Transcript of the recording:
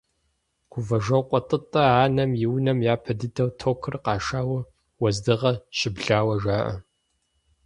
Гувэжокъуэ ТӀытӀэ анэм и унэм япэ дыдэу токыр къашауэ, уэздыгъэ щыблауэ жаӀэ.